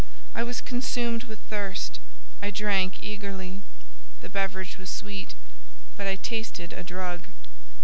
I was consumed with thirst—I drank eagerly; the beverage was sweet, but I tasted a drug.